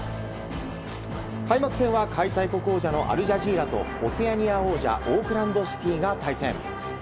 開幕戦は開催国王者のアル・ジャジーラとオセアニア王者オークランド・シティが対戦。